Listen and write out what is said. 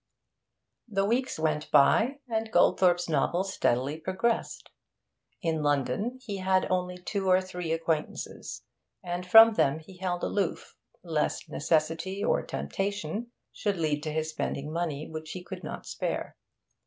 The weeks went by, and Goldthorpe's novel steadily progressed. In London he had only two or three acquaintances, and from them he held aloof, lest necessity or temptation should lead to his spending money which he could not spare.